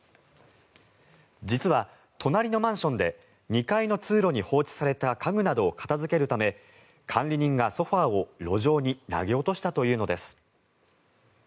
実は隣のマンションで２階の通路に放置された家具などを片付けるため管理人がソファを路上に投げ落としたというのです。